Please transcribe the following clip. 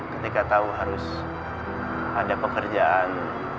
ketika tahu harus ada pekerjaan